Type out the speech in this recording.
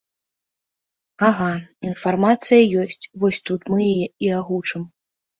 Ага, інфармацыя ёсць, вось тут мы яе і агучым.